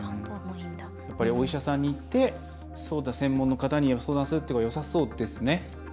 お医者さんに行って専門の方に相談するってことがよさそうですね？